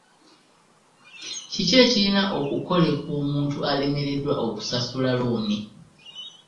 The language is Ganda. Ki ekirina okukolebwa omuntu alemereddwa okusasula looni?